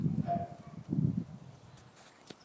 不过这种方法的应用并不广泛。